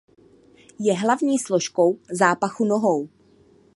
Je hlavní složkou zápachu nohou.